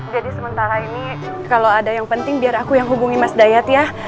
jadi sementara ini kalau ada yang penting biar aku yang hubungi mas dayat ya